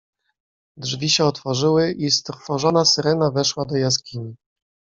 "Drzwi się otworzyły i strwożona Syrena weszła do jaskini."